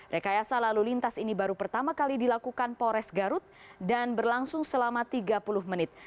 rekayasa lalu lintas ini baru pertama kali dilakukan pores garut dan berlangsung selama tiga puluh menit